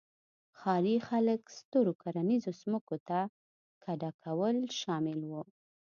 ښاري خلک سترو کرنیزو ځمکو ته کډه کول شامل وو